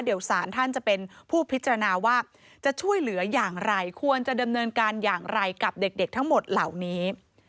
เดี๋ยวสารท่านจะเป็นผู้พิจารณาว่าจะช่วยเหลืออย่างไรควรจะดำเนินการอย่างไรกับเด็กทั้งหมดเหล่านี้